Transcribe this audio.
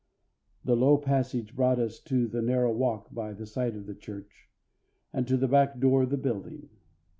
The low passage brought us all to the narrow walk by the side of the church, and to the back door of the building.